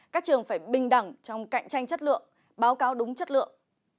các trường phải bình đẳng trong cạnh tranh chất lượng báo cáo đúng chất lượng